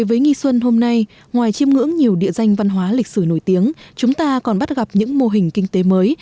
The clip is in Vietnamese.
với nghi xuân hôm nay ngoài chiêm ngưỡng nhiều địa danh văn hóa lịch sử nổi tiếng chúng ta còn bắt gặp những mô hình kinh tế mới